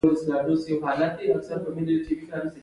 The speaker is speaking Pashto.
دروازه مې خلاصه کړه او بېرته مې بنده کړه.